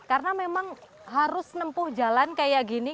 karena memang harus nempuh jalan kayak gini